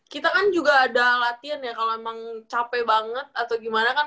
kita kan juga ada latihan ya kalau emang capek banget atau gimana kan